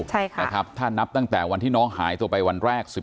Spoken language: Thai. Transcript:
ใช่ค่ะนะครับถ้านับตั้งแต่วันที่น้องหายตัวไปวันแรก